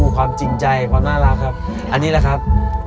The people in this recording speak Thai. ความจริงใจความน่ารักครับอันนี้แหละครับ